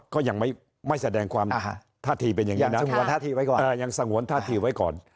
ก็ยังไม่แสดงความท่าทีเป็นอย่างนี้นะยังสงวนท่าทีไว้ก่อน